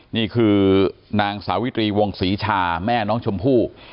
นี่คือนางสาวิตรีวงศรีชาแม่น้องชมพู่